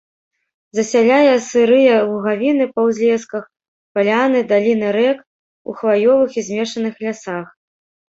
Засяляе сырыя лугавіны па ўзлесках, паляны, даліны рэк, у хваёвых і змешаных лясах.